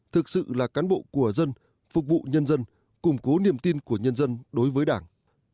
thực sự là cán bộ của dân phục vụ nhân dân củng cố niềm tin của nhân dân đối với đảng